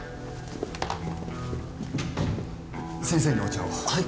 先生にお茶をはい